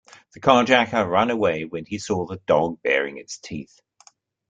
The carjacker ran away when he saw the dog baring its teeth.